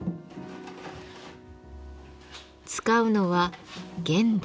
使うのは原土。